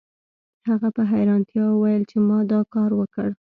هغه په حیرانتیا وویل چې ما دا کار وکړ